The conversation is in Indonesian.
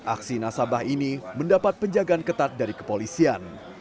aksi nasabah ini mendapat penjagaan ketat dari kepolisian